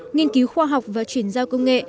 nghiên cứu khoa học và chuyển giao công nghệ